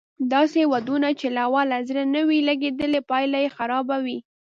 داسې ودونه چې له اوله زړه نه وي لګېدلی پايله یې خرابه وي